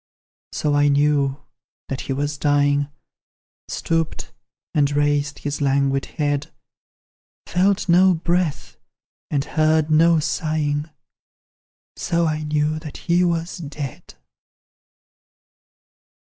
So I knew that he was dying Stooped, and raised his languid head; Felt no breath, and heard no sighing, So I knew that he was dead.